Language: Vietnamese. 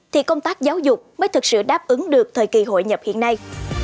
thì công tác giáo dục mới thực sự đáp ứng được thời kỳ hội nhập hiện nay